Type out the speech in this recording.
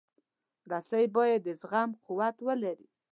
رسۍ باید د زغم قوت ولري.